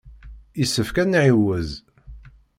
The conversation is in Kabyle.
Yessefk ad nɛiwez.